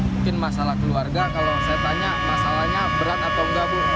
mungkin masalah keluarga kalau saya tanya masalahnya berat atau enggak bu